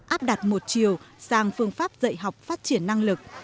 áp đặt một chiều sang phương pháp dạy học phát triển năng lực